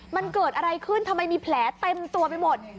มันเกิดอะไรขึ้นทำไมมีแผลเต็มตัวไปหมด